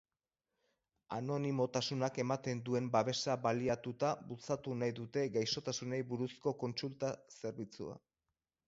Anonimotasunak ematen duen babesa baliatuta bultzatu nahi dute gaisotasunei buruzko kontsulta zerbitzua.